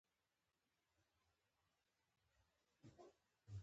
ژاوله ژوول د ځینو خلکو لپاره ذهني آرامتیا ورکوي.